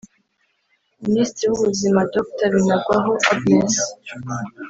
Minisitiri w’Ubuzima Dr Binagwaho Agnes